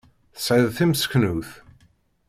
Tesɛiḍ timseknewt?